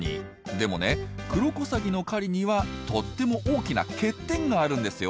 でもねクロコサギの狩りにはとっても大きな欠点があるんですよ。